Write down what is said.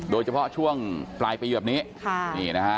โดยเฉพาะช่วงปลายปีเยอะแบบนี้